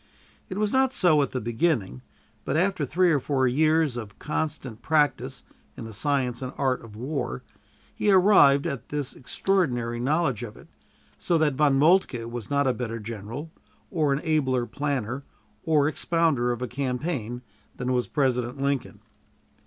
It was not so at the beginning; but after three or four years of constant practice in the science and art of war, he arrived at this extraordinary knowledge of it, so that Von Moltke was not a better general, or an abler planner or expounder of a campaign, than was President Lincoln.